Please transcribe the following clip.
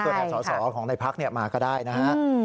ส่วนทางสอบของในภักรณ์มาก็ได้นะครับ